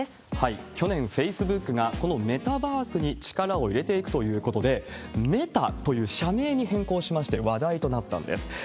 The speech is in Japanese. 去年、フェイスブックがこのメタバースに力を入れていくということで、メタという社名に変更しまして話題となったんです。